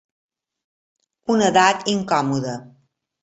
Una edat incòmoda.